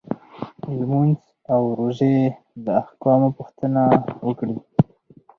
لمونځ او روژې د احکامو پوښتنه وکړي.